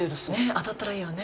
当たったらいいよね。